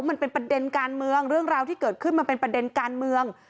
มันเป็นประเด็นการเมืองเรื่องราวที่เกิดขึ้นมันเป็นประเด็นการเมือง